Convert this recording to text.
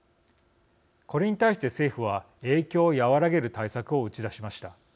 これに対して政府は影響を和らげる対策を打ち出しました。